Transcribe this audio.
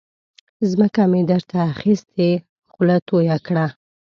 ځمکه مې در ته اخستې خوله تویه کړه.